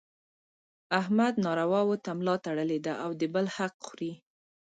احمد نارواوو ته ملا تړلې ده او د بل حق خوري.